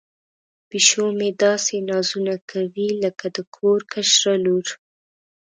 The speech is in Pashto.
پیشو مې داسې نازونه کوي لکه د کور کشره لور.